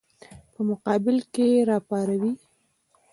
په مقابل کې یې راپاروي.